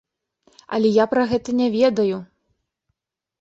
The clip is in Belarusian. Але я пра гэта не ведаю!